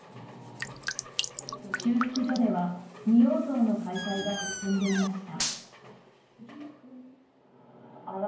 修復所では仁王像の解体が進んでいました。